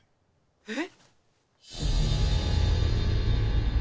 えっ！